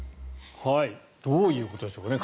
どういうことでしょうね。